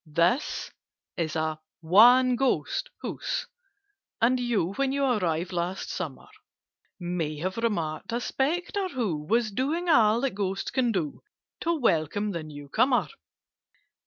"This is a 'one ghost' house, and you When you arrived last summer, May have remarked a Spectre who Was doing all that Ghosts can do To welcome the new comer.